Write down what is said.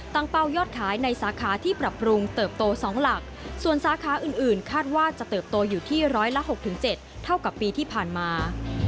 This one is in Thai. เป้ายอดขายในสาขาที่ปรับปรุงเติบโต๒หลักส่วนสาขาอื่นคาดว่าจะเติบโตอยู่ที่ร้อยละ๖๗เท่ากับปีที่ผ่านมา